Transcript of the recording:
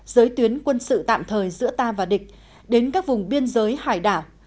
giới tuyến quân sự tạm thời giữa ta và địch đến các vùng biên giới hải đảo